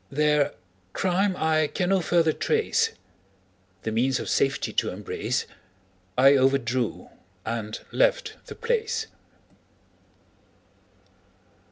Their crime I can no further trace The means of safety to embrace, I overdrew and left the place.